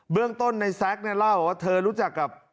เรื่องต้นในแซ็กเนี่ยเล่าว่าเธอรู้จักกับ